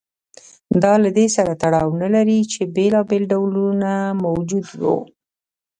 دا له دې سره تړاو نه لري چې بېلابېل ډولونه موجود و